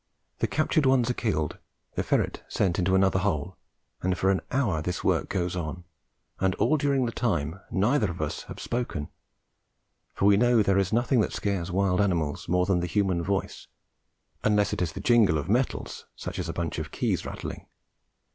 The captured ones are killed, the ferret sent into another hole, and for an hour this work goes on, and during all the time neither of us have spoken, for we know there is nothing that scares wild animals more than the human voice, unless it is the jingle of metals, such as a bunch of keys rattling.